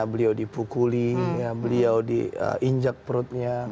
beliau dipukulin beliau di injak perutnya